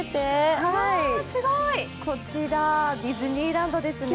こちら、ディズニーランドですね。